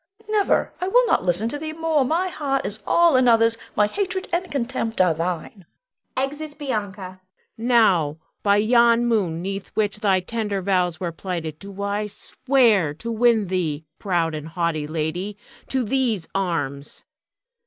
never! I will not listen to thee more. My heart is all another's; my hatred and contempt are thine. [Exit Bianca. Huon. Now, by yon moon 'neath which thy tender vows were plighted, do I swear to win thee, proud and haughty lady, to these arms.